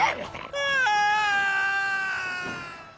ああ！